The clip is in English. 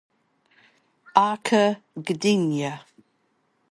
Arka Gdynia